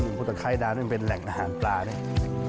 มุมพุทธไข่ดาวนี่เป็นแหล่งอาหารปลาเนี่ย